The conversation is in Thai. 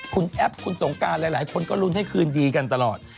คุณแอปคุณสงการหลายคนก็ลุ้นให้คืนดีกันตลอด